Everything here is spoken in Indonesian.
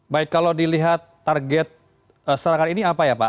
baik kalau dilihat target serangan ini apa ya pak